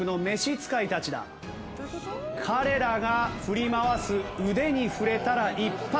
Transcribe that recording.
彼らが振り回す腕に触れたら一発アウト。